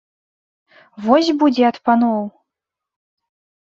Вось будзе ад паноў!